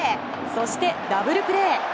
そしてダブルプレー。